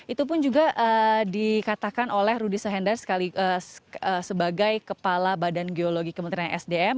itu pun juga dikatakan oleh rudy sohendar sebagai kepala badan geologi kementerian sdm